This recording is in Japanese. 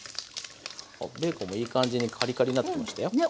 ベーコンもいい感じにカリカリになってきましたよ。ね！